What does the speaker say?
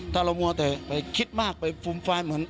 ถ้าเรามัวแต่ไปคิดมากไปฟุ่มฟ้าย